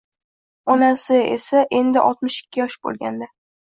Onasi esa endi oltmish ikki yosh bo‘lgandi